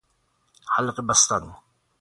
حلقه بستن